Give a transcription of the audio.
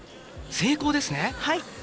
成功ですね！